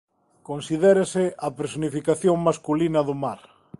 Considérase a personificación masculina do mar.